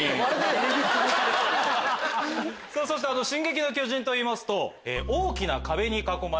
『進撃の巨人』といいますと。